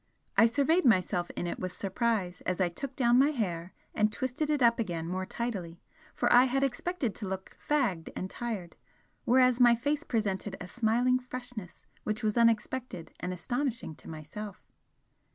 I surveyed myself in it with surprise as I took down my hair and twisted it up again more tidily, for I had expected to look fagged and tired, whereas my face presented a smiling freshness which was unexpected and astonishing to myself.